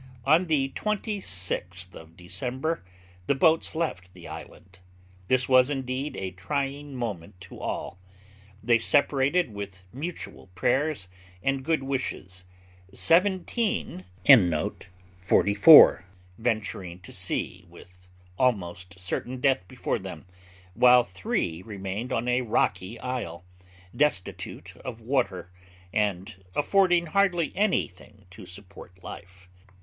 'On the 26th of December the boats left the island: this was, indeed, a trying moment to all: they separated with mutual prayers and good wishes, seventeen venturing to sea with almost certain death before them, while three remained on a rocky isle, destitute of water, and affording hardly anything to support life.